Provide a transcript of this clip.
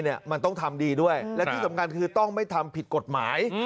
มันต้องทำดีด้วยและที่สำคัญคือต้องไม่ทำผิดกฎหมาย